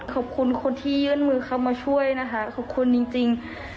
ขอบคุณคนที่ยื่นมือเข้ามาช่วยนะคะขอบคุณจริง